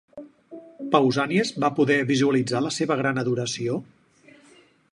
Pausànies va poder visualitzar la seva gran adoració?